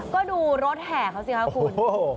ก็ดูรถแห่เขาสิคะคุณ